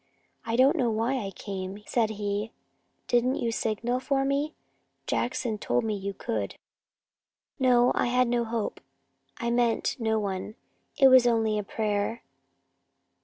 "I don't know why I came," said he. "Didn't you signal for me? Jackson told me you could." "No, I had no hope. I meant no one. It was only a prayer."